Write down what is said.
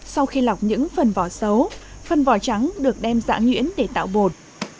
sau khi lọc những phần vỏ xấu phần vỏ trắng được đem giã nhuyễn để tạo bột